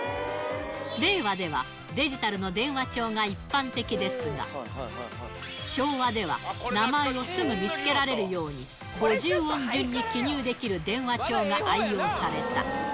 令和では、デジタルの電話帳が一般的ですが、昭和では、名前をすぐ見つけられるように、５０音順に記入できる電話帳が愛用された。